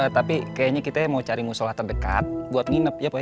tapi kayaknya kita mau cari musolah terdekat buat nginep ya pak ya